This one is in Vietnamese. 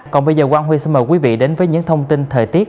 còn bây giờ quang huy xin mời quý vị đến với những thông tin thời tiết